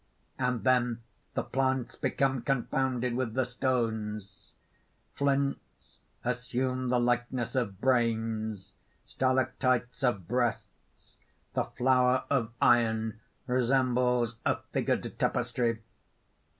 _ And then the plants become confounded with the stones. _Flints assume the likeness of brains; stalactites of breasts; the flower of iron resembles a figured tapestry.